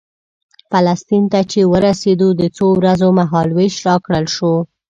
فلسطین ته چې ورسېدو د څو ورځو مهال وېش راکړل شو.